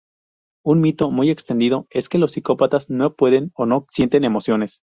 Un mito muy extendido es que los psicópatas no pueden o no sienten emociones.